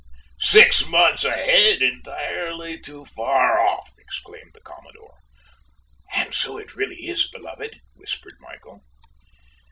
"Whew! six months ahead! Entirely too far off!" exclaimed the commodore. "And so it really is, beloved," whispered Michael.